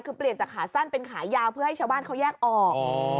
คือเปลี่ยนจากขาสั้นเป็นขายาวเพื่อให้ชาวบ้านเขาแยกออก